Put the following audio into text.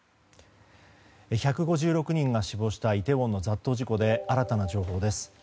１５６人が死亡したイテウォンの殺到事故で新たな情報です。